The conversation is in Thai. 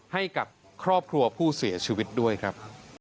ให้กับครอบครัวผู้เสียชีวิตด้วยครับ